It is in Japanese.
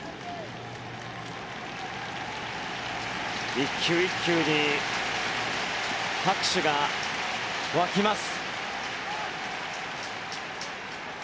１球１球に拍手が沸きます。